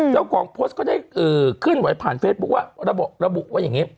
เจ้าของโพสต์ก็ได้ขึ้นไหวผ่านเฟซบุ๊คว่าระบุไว้อย่างนี้